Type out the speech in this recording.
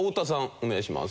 お願いします。